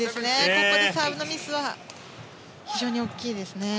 ここでサーブのミスは非常に大きいですね。